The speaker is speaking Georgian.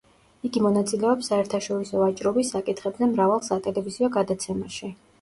იგი მონაწილეობს საერთაშორისო ვაჭრობის საკითხებზე მრავალ სატელევიზიო გადაცემაში.